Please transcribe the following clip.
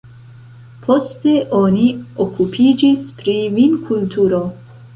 Poste oni okupiĝis pri vinkulturo.